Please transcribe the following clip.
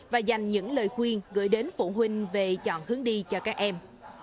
và dành những lời khuyên gửi đến phụ huynh về chọn hướng đi cho các em